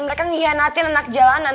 mereka ngihianatin anak jalanan